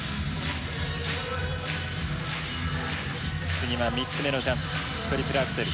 次は３つ目のジャンプトリプルアクセル。